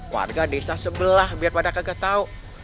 warga desa sebelah biar pada kagak tahu